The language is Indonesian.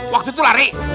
waktu itu lari